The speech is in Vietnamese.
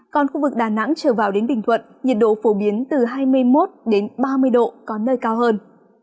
còn khu vực đà nẵng trở vào đến bình thuận nhiệt độ phổ biến từ hai mươi một ba mươi độ có nơi cao hơn